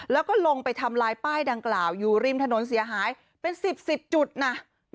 แล้วก็ลงไปทำลายป้ายดังกล่าวอยู่ริมถนนเสียหายเป็น๑๐๑๐จุดนะ